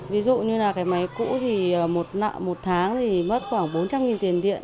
ví dụ như là cái máy cũ thì một tháng thì mất khoảng bốn trăm linh tiền điện